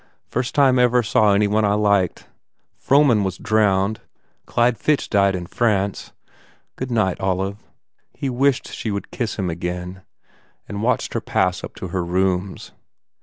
First time I ever saw any one I liked. ... Frohman was drowned. Clyde Fitch died in France. Good night, Olive." He wished she would kiss him again and watched her pass up to her rooms.